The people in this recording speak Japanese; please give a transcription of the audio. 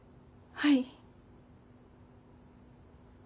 はい。